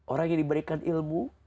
orang yang diberikan ilmu